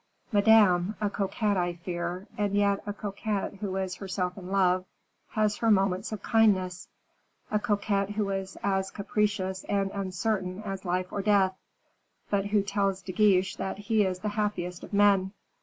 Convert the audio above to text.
Madame, a coquette I fear, and yet a coquette who is herself in love, has her moments of kindness; a coquette who is as capricious and uncertain as life or death, but who tells De Guiche that he is the happiest of men.